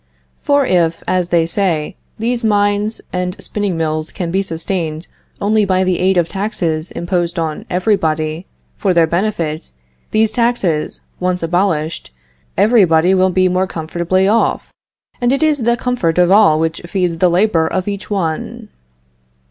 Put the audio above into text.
For if, as they say, these mines and spinning mills can be sustained only by the aid of taxes imposed on everybody for their benefit, these taxes once abolished, everybody will be more comfortably off, and it is the comfort of all which feeds the labor of each one.